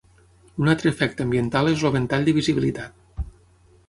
Un altre efecte ambiental és el ventall de visibilitat.